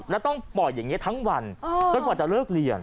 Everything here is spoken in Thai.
แล้วต้องปล่อยอย่างนี้ทั้งวันจนกว่าจะเลิกเรียน